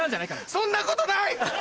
そんなことない！